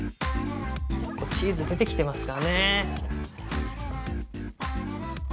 チーズ出てきてますからね。